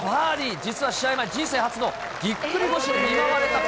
実は試合前、人生初のぎっくり腰に見舞われた。